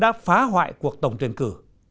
đất nước đã phá hoại cuộc tổng tuyển cử